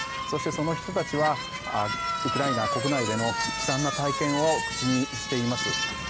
そして、その人たちはウクライナ国内での悲惨な体験を口にしています。